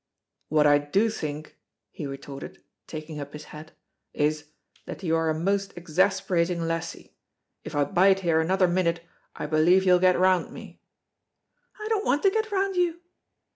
"What I do think," he retorted, taking up his hat, "is, that you are a most exasperating lassie. If I bide here another minute I believe you'll get round me." "I don't want to get round you."